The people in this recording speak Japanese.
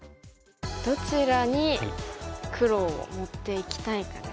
どちらに黒を持っていきたいかですよね。